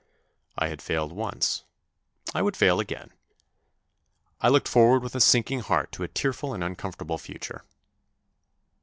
I had failed once, I would fail again. I looked forward with a sinking heart to a tearful and uncomfortable future.